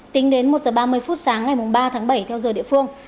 tính đến một h ba mươi phút sáng ngày ba tháng bảy theo giờ địa phương